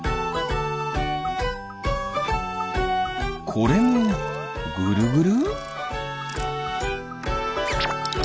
これもぐるぐる？